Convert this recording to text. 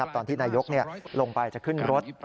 ตอนที่นายกลงไปจะขึ้นรถ